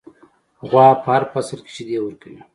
غوا په هر فصل کې شیدې ورکوي.